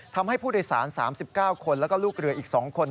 ทำให้ผู้โดยสาร๓๙คนแล้วก็ลูกเรืออีก๒คน